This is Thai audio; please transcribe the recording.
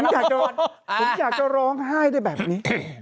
ผมอยากจะร้องไห้ได้แบบนี้